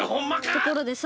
ところでさ